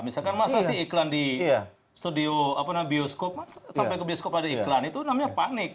misalkan masa sih iklan di studio bioskop sampai ke bioskop ada iklan itu namanya panik